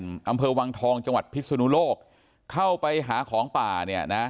อำเภอวังทองจังหวัดพิศนุโลกเข้าไปหาของป่าเนี่ยนะ